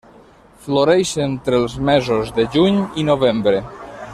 Floreix entre els mesos de juny i novembre.